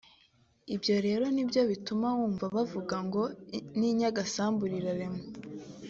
Ibyo rero ni byo bituma wumva bavuga ngo n’i Nyagasambu rirarema